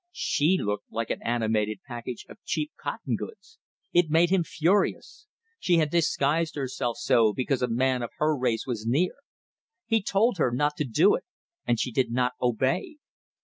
She looked like an animated package of cheap cotton goods! It made him furious. She had disguised herself so because a man of her race was near! He told her not to do it, and she did not obey.